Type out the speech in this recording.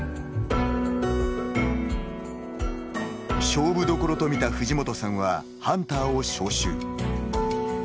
勝負どころと見た藤本さんはハンターを招集。